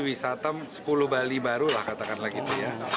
wisata sepuluh bali baru lah katakanlah gitu ya